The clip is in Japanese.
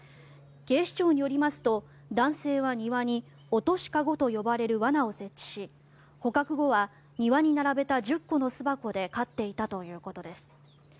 警視庁によりますと男性は、庭に落とし籠と呼ばれる罠を設置し捕獲後は庭に並べた１０個の巣箱で飼っていたということです。